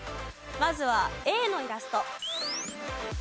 まずはＡのイラスト。